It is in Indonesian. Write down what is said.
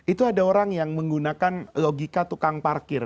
itu ada orang yang menggunakan logika tukang parkir